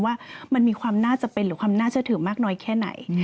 ว่ามันมีความน่าจะเป็นหรือความน่าเชื่อถือมากน้อยแค่ไหน